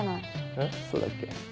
えっそうだっけ？